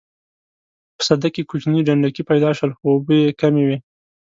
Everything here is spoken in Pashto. په سده کې کوچني ډنډکي پیدا شول خو اوبه یې کمې وې.